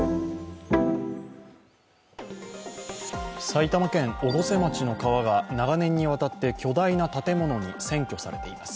埼玉県越生町の川が長年にわたって巨大な建物に占拠されています。